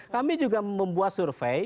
kami juga membuat survei